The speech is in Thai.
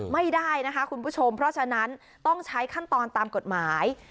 ไม่ได้นะคะคุณผู้ชมเพราะฉะนั้นต้องใช้ขั้นตอนตามกฎหมาย